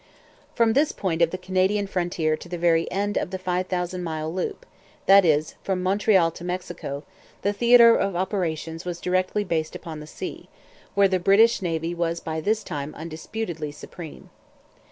From this point of the Canadian frontier to the very end of the five thousand mile loop, that is, from Montreal to Mexico, the theatre of operations was directly based upon the sea, where the British Navy was by this time undisputedly supreme.